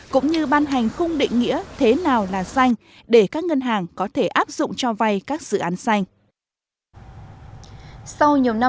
cũng như ban hành khung định nghĩa thế nào là xanh để các ngân hàng có thể áp dụng cho vay các dự án xanh